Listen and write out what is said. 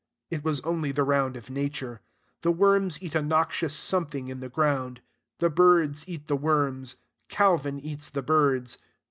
It was only the round of Nature. The worms eat a noxious something in the ground. The birds eat the worms. Calvin eats the birds.